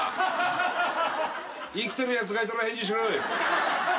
生きてるやつがいたら返事しろい。